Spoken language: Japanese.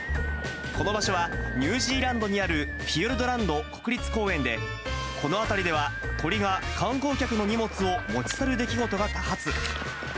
この場所は、ニュージーランドにあるフィヨルドランド国立公園でこの辺りでは、鳥が観光客の荷物を持ち去る出来事が多発。